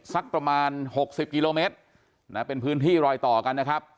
สักประมาณ๖๐กิโลเมตรนะเป็นพื้นที่รอยต่อกันนะครับ